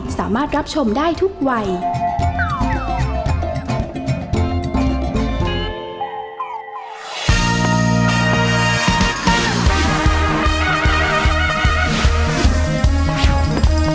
แม่บ้านประจัญบ้าน